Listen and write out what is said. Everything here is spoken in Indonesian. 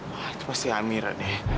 wah itu pasti hamil deh